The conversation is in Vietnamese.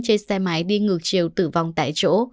trên xe máy đi ngược chiều tử vong tại chỗ